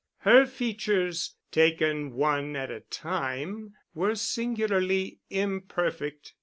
Her features, taken one at a time, were singularly imperfect.